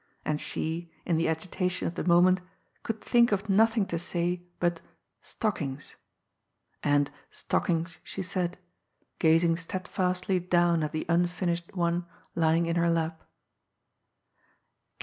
And she, in the agitation of the moment, could think of nothing to say but " stockings," and " stock ings " she said, gazing steadfastly down at the unfinished one lying in her lap.